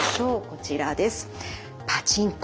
こちらです。